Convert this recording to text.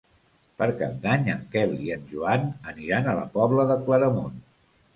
Per Cap d'Any en Quel i en Joan aniran a la Pobla de Claramunt.